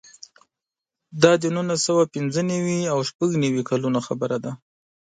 دا د نولس سوه پنځه نوې او شپږ نوې کلونو خبره ده.